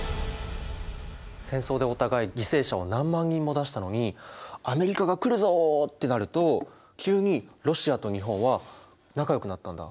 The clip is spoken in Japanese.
戦争でお互い犠牲者を何万人も出したのに「アメリカが来るぞ」ってなると急にロシアと日本は仲よくなったんだ。